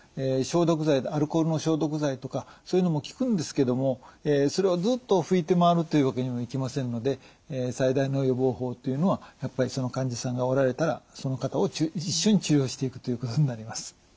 アルコールの消毒剤とかそういうのも効くんですけどもそれをずっと拭いて回るっていうわけにもいきませんので最大の予防法っていうのはやっぱりその患者さんがおられたらその方を一緒に治療していくということになります。